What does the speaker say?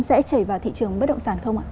sẽ chảy vào thị trường bất động sản không ạ